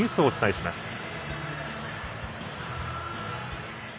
お伝えします。